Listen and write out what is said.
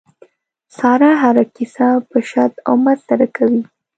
ساره هره کیسه په شد او مد سره کوي.